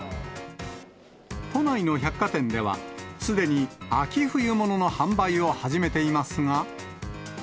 都内の百貨店では、すでに秋冬物の販売を始めていますが。